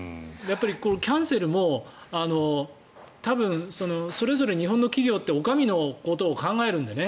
キャンセルも多分それぞれ日本の企業ってお上のことを考えるんだよね。